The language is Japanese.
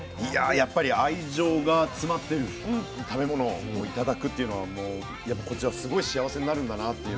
やっぱり愛情が詰まってる食べ物を頂くっていうのはこちらすごい幸せになるんだなっていうのを改めて感じました。